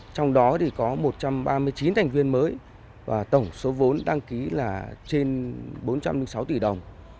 tổng số vốn đăng ký là trên bốn trăm linh sáu tỷ đồng